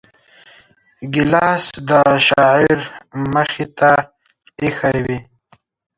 ګیلاس د شاعر مخې ته ایښی وي.